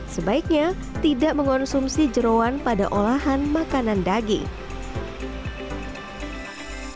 sebaiknya tidak mengonsumsi jerawan pada olahan makanan daging